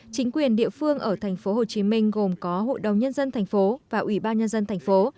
chính quyền địa phương ở tp hcm gồm có hội đồng nhân dân tp và ủy ban nhân dân tp